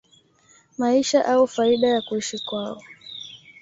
maisha au faida ya kuishi kwao